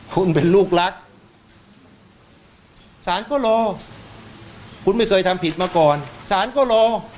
คุณเป็นลูกรักสารก็รอคุณไม่เคยทำผิดมาก่อนศาลก็รอ